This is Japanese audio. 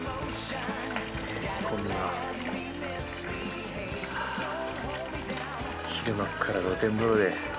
こんな昼間から露天風呂で。